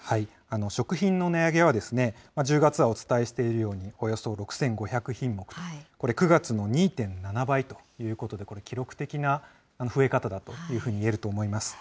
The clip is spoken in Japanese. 食品の値上げは、１０月はお伝えしているように、およそ６５００品目と、これ、９月の２．７倍ということで、これ、記録的な増え方だというふうにいえると思います。